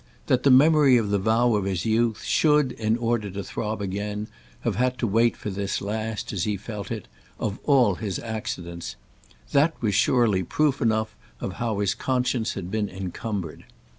That the memory of the vow of his youth should, in order to throb again, have had to wait for this last, as he felt it, of all his accidents—that was surely proof enough of how his conscience had been encumbered.